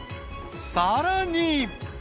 ［さらに］